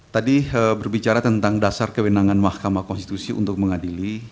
tadi berbicara tentang dasar kewenangan mahkamah konstitusi untuk mengadili